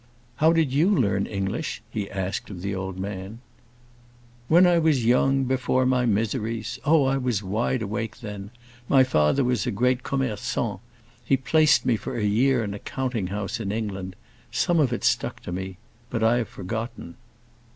"How did you learn English?" he asked of the old man. "When I was young, before my miseries. Oh, I was wide awake, then. My father was a great commerçant; he placed me for a year in a counting house in England. Some of it stuck to me; but much I have forgotten!"